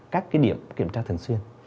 các cái điểm kiểm tra thường xuyên